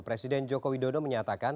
presiden joko widodo menyatakan